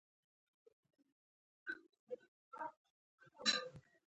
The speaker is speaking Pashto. واحدات په نړیوال ډول په دوه عمده سیسټمونو تر مطالعې لاندې نیول کېږي.